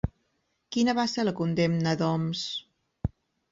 Quina va ser la condemna d'Homs?